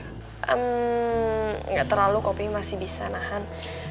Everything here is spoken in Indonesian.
em ga terlalu kopi masih bisa nahan